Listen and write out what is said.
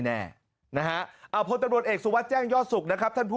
แน่นะฮะเอาพลตำรวจเอกสุวัสดิแจ้งยอดสุขนะครับท่านผู้